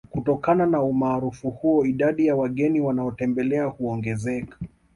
Kutokana na Umaarufu huo idadi ya wageni wanaotembelea huongezeka